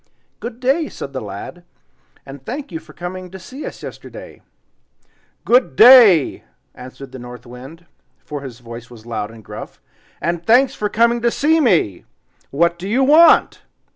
"Good day!" said the lad, and "thank you for coming to see us yesterday." "GOOD DAY!" answered the North Wind, for his voice was loud and gruff, "AND THANKS FOR COMING TO SEE ME. WHAT DO YOU WANT?"